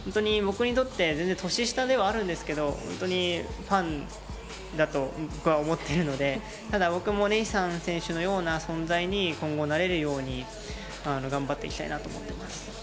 僕にとって全然年下ではあるんですけど、ファンだと僕は思っているので、僕もネイサン選手のような存在に今後なれるように頑張っていきたいなと思っています。